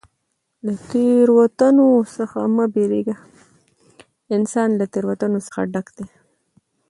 له تېروتنو څخه مه بېرېږه! انسان له تېروتنو څخه ډګ دئ.